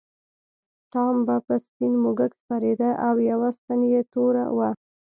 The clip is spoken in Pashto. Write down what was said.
ټام به په سپین موږک سپرېده او یوه ستن یې توره وه.